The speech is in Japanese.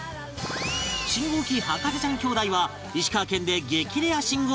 信号機博士ちゃん兄弟は石川県で激レア信号機探し